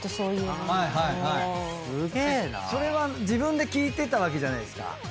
それは自分で聴いてたわけじゃないですか。